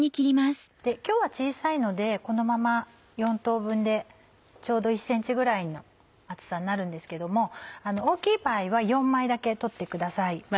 今日は小さいのでこのまま４等分でちょうど１ｃｍぐらいの厚さになるんですけども大きい場合は４枚だけ取ってください。